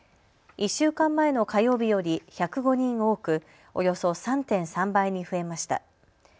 １週間前の火曜日より１０５人多く、およそ３．３倍に増えました。